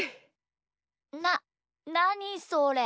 ななにそれ？